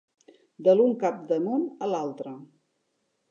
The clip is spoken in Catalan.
De l'un cap de món a l'altre.